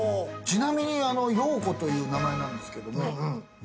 ちなみにあの葉子という名前なんですけども。